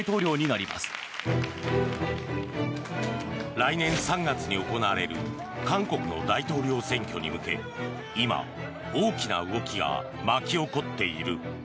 来年３月に行われる韓国の大統領選挙に向け今、大きな動きが巻き起こっている。